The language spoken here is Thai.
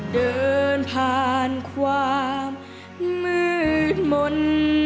เดินผ่านความมืดมนต์